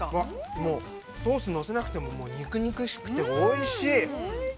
◆もう、ソース乗せなくても肉々しくておいしい！